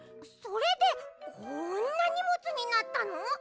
それでこんなにもつになったの？